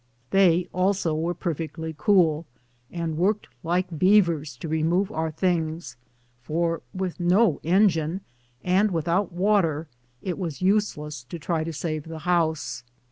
They, also, were perfectly cool, and worked like beavers to remove our things; for with no engine and without water it was useless to try to save the house.